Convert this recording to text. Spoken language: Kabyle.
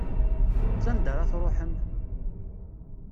S anda ara truḥem?